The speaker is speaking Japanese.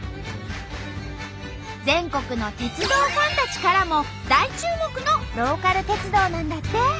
全国の鉄道ファンたちからも大注目のローカル鉄道なんだって。